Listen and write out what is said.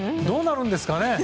どうなるんですかね。